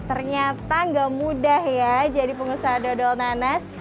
ternyata nggak mudah ya jadi pengusaha dodol nanas